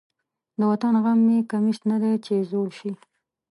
د وطن غم مې کمیس نه دی چې زوړ شي.